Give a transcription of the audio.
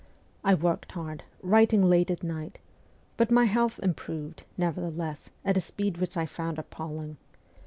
I worked hard, writing late at night ; but my health improved, nevertheless, at a speed which I found appalling.